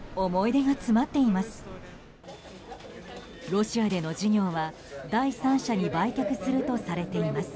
ロシアでの事業は第三者に売却するとされています。